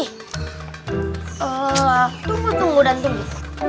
wah tunggu tunggu dan tunggu